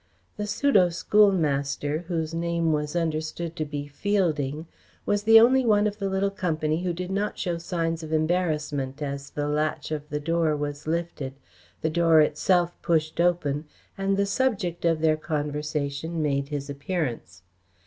The pseudo schoolmaster, whose name was understood to be Fielding, was the only one of the little company who did not show signs of embarrassment as the latch of the door was lifted, the door itself pushed open, and the subject of their conversation made his appearance.